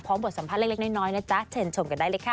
พร้อมบทสัมภาพเล็กน้อยนะจ๊ะเผ็ดชมกันได้เลยค่ะ